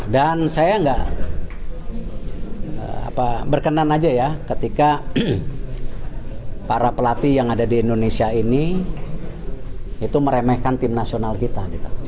dan saya gak berkenan aja ya ketika para pelatih yang ada di indonesia ini itu meremehkan tim nasional kita